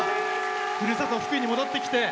ふるさと・福井に戻ってきて。